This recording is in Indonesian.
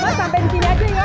mas sampai disini aja ya